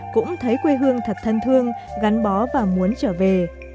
cũng thấy quê hương thật thân thương gắn bó và muốn trở về